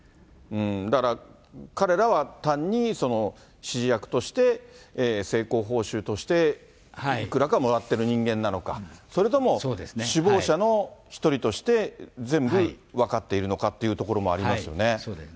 だから彼らは単に指示役として成功報酬としていくらかもらってる人間なのか、それとも首謀者の１人として、全部分かっているのかというところもありますよね。